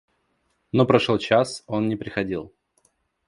Но прошел час, он не приходил.